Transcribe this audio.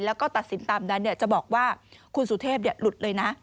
แล้วก็ตัดสินตามนั้นจะบอกว่าคุณสุเทพหลุดเลยนะ